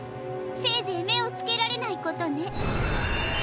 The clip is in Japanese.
せいぜいめをつけられないことね。